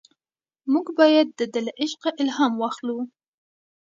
موږ باید د ده له عشقه الهام واخلو.